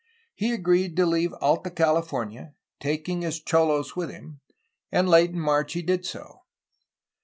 He agreed to leave Alta California, taking his cholos with him, and late in March he did so.